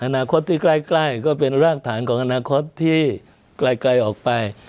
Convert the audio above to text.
อนาคตที่ใกล้ก็เป็นรากฐานของอนาคตที่ไกลออกไป